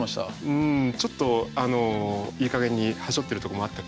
うんちょっとあのいいかげんにはしょってるとこもあったけれども。